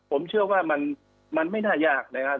ผมเชื่อว่ามันไม่น่ายากนะครับ